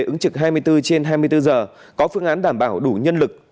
ứng trực hai mươi bốn trên hai mươi bốn giờ có phương án đảm bảo đủ nhân lực